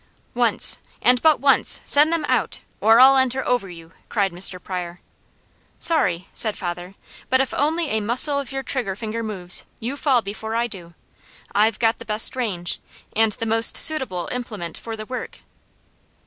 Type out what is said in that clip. "Once and but once, send them out, or I'll enter over you!" cried Mr. Pryor. "Sorry," said father, "but if only a muscle of your trigger finger moves, you fall before I do. I've the best range, and the most suitable implement for the work."